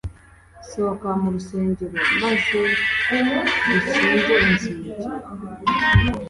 sohoka mu rusengero maze dukinge inzugi